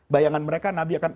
bayangan mereka nabi akan